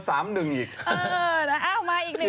เออเอ้ามาอีกหนึ่งคราว